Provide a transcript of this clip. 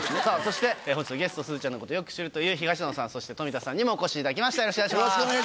さぁそして本日のゲストすずちゃんのことをよく知るという東野さんそして富田さんにもお越しいただきました。